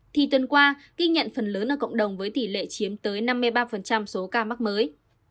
thì tuần qua ghi nhận phần lớn ở cộng đồng với tỷ lệ chiếm tới năm mươi ba số ca mắc mới